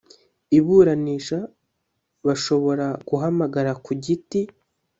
iburanisha bashobora guhamagara ku giti